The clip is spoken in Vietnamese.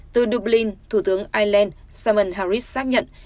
từ dublin thủ tướng ireland simon harris xác nhận